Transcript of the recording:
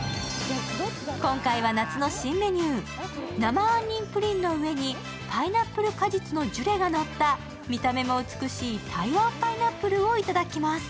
今回は夏の新メニュー、生杏仁プリンの上にパイナップル果実のジュレがのった、見た目も美しい台湾パイナップルをいただきます。